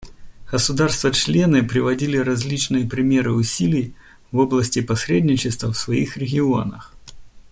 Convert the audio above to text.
Государства-члены приводили различные примеры усилий в области посредничества в своих регионах.